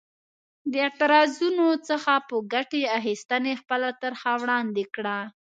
د اعتراضونو څخه په ګټې اخیستنې خپله طرحه وړاندې کړه.